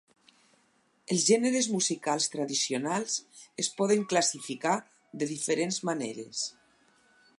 Els gèneres musicals tradicionals es poden classificar de diferents maneres.